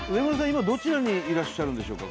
今どちらにいらっしゃるんでしょうか？